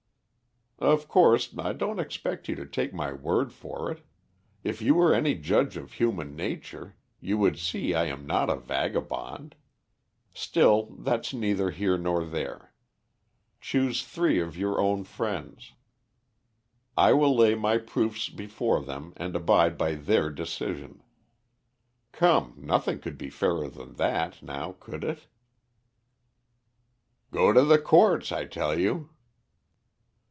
"Of course I don't expect you to take my word for it. If you were any judge of human nature you would see I am not a vagabond. Still that's neither here nor there. Choose three of your own friends. I will lay my proofs before them and abide by their decision. Come, nothing could be fairer than that, now could it?" "Go to the courts, I tell you."